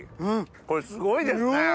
これすごいですね。